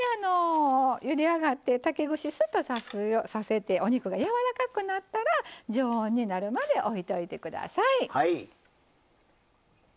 ゆで上がって竹串スッと刺せてお肉がやわらかくなったら常温になるまでおいといて下さい。